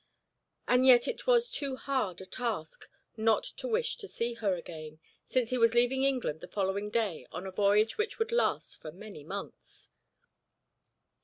And yet it was too hard a task not to wish to see her again, since he was leaving England the following day on a voyage which would last for many months.